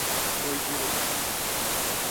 той ырес